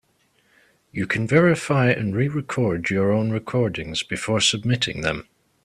You can verify and re-record your own recordings before submitting them.